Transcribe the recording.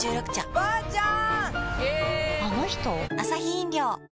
おばあちゃん